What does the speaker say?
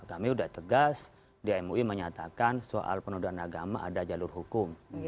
kami sudah tegas di mui menyatakan soal penodaan agama ada jalur hukum